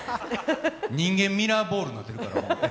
人間ミラーボールになってるから。